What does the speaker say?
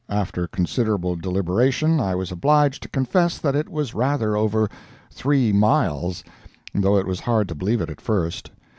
After considerable deliberation I was obliged to confess that it was rather over three miles, though it was hard to believe it at first.